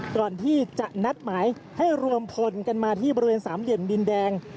ก่อนที่จะนัดหมายให้รวมพลกันมาที่บริเวณสามเหลี่ยมดินแดง